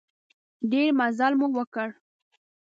ډېر مزل مو وکړ.